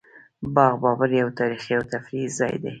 باغ بابر یو تاریخي او تفریحي ځای دی